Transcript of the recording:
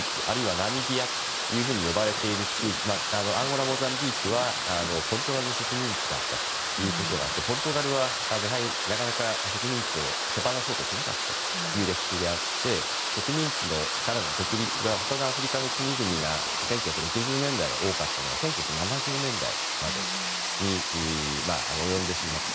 あるいはアンゴラ、モザンビークはポルトガルの植民地だったということなのでポルトガルはなかなか植民地を手放そうとしなかったという歴史があって植民地からの独立が他のアフリカの国々は１９６０年代に多かったのが１９７０年代までに及んでしまった。